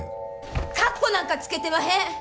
かっこなんかつけてまへん！